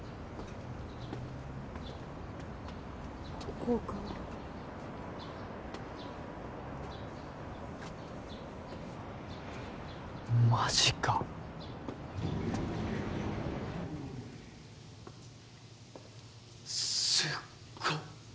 ここかマジかすっご！